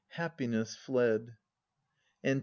Happiness fled ! Ant.